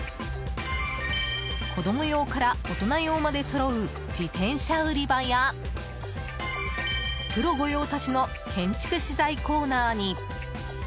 子供用から大人用までそろう自転車売り場やプロ御用達の建築資材コーナーに。